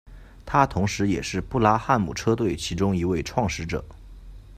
他同时也是布拉汉姆车队其中一位创始者。